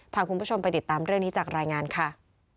พาคุณผู้ชมไปติดตามเรื่องนี้จากรายงานค่ะ